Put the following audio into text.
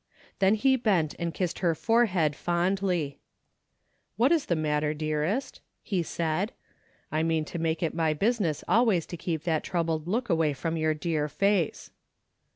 Then he bent and kissed her forehead fondly. '' What is the matter, dearest ?" he said. " I mean to make it my business always to keep that troubled look away from your dear face."